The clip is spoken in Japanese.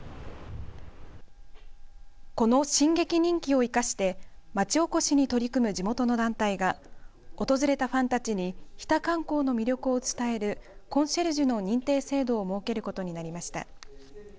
この進撃人気を生かしてまちおこしに取り組む地元の団体が訪れたファンたちに日田観光の魅力を伝えるコンシェルジュの認定制度を設けることになりました。